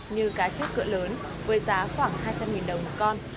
như cá chép cỡ lớn với giá khoảng hai trăm linh đồng một con